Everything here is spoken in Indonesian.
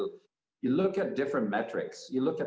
ketika anda melihat metri berbeda